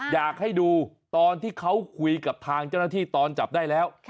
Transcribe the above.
อยากให้ดูตอนที่เขาคุยกับทางเจ้าหน้าที่ตอนจับได้แล้ว